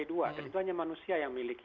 dan itu hanya manusia yang miliki